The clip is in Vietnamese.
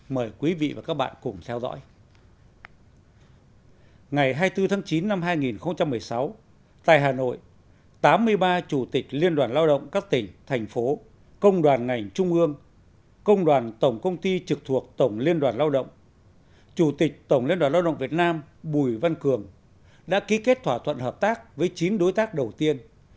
mời quý vị và các bạn